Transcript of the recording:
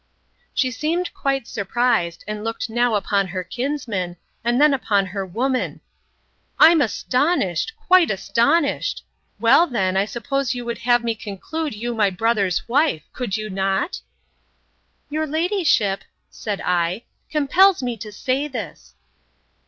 She seemed quite surprised, and looked now upon her kinsman, and then upon her woman—I'm astonished—quite astonished!—Well, then, I suppose you would have me conclude you my brother's wife; could you not? Your ladyship, said I, compels me to say this!